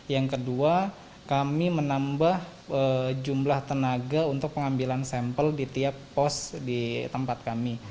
yang kedua kami menambah jumlah tenaga untuk pengambilan sampel di tiap pos di tempat kami